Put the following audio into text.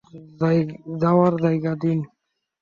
যাওয়ার জায়গা দিন!